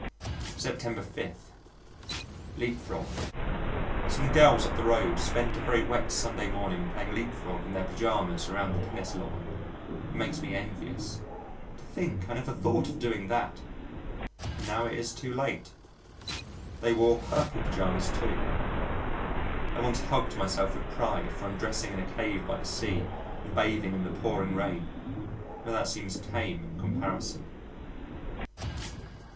September 5. Leap frog Some girls up the road spent a very wet Sunday morning playing leap frog in their pyjamas around the tennis lawn. It makes me envious. To think I never thought of doing that! and now it is too late. They wore purple pyjamas too. I once hugged myself with pride for undressing in a cave by the sea and bathing in the pouring rain, but that seems tame in comparison.